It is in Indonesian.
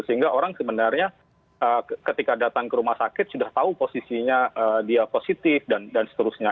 sehingga orang sebenarnya ketika datang ke rumah sakit sudah tahu posisinya dia positif dan seterusnya